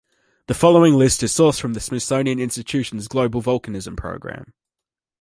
The following list is sourced from the Smithsonian Institution's Global Volcanism Program.